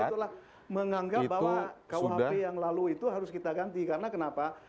itulah menganggap bahwa kuhp yang lalu itu harus kita ganti karena kenapa